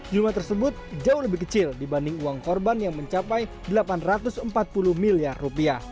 jumlah tersebut jauh lebih kecil dibanding uang korban yang mencapai rp delapan ratus empat puluh miliar